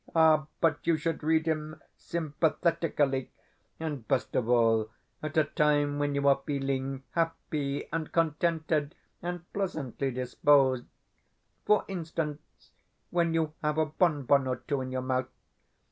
Ah, but you should read him sympathetically, and, best of all, at a time when you are feeling happy and contented and pleasantly disposed for instance, when you have a bonbon or two in your mouth.